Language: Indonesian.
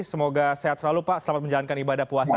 semoga sehat selalu pak selamat menjalankan ibadah puasa